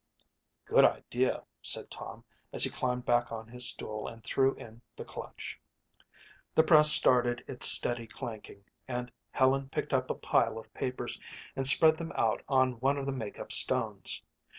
"Good idea," said Tom as he climbed back on his stool and threw in the clutch. The press started its steady clanking and Helen picked up a pile of papers and spread them out on one of the makeup stones.